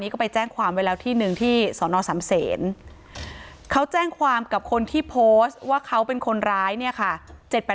เข้าเจ้งความกับคนที่โพสต์ว่าเขาเป็นคนร้ายเนี่ยค่ะ